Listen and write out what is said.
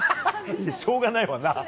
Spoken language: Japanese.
しょうがないわな。